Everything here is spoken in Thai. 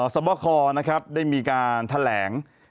สบครได้มีการแถลง